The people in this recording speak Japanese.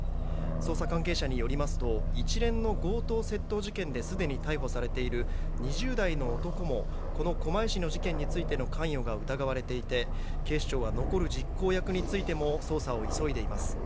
捜査関係者によりますと一連の強盗・窃盗事件ですでに逮捕されている２０代の男もこの狛江市の事件についての関与が疑われていて警視庁は残る実行役についても捜査を急いでいます。